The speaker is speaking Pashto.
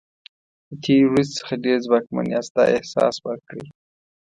د تېرې ورځې څخه ډېر ځواکمن یاست دا احساس ورکړئ.